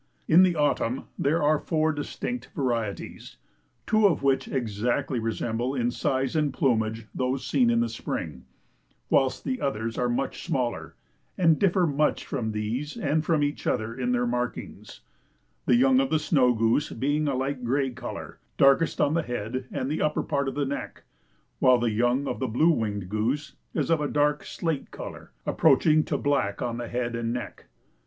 In the autumn there are four distinct varieties, two of which exactly resemble in size and plumage those seen in the spring, whilst the others are much smaller, and differ much from these and from each other in their markings; the young of the snow goose being of a light grey colour, darkest on the head and upper part of the neck; whilst the young of the blue winged goose is of a dark slate colour, approaching to black on the head and neck.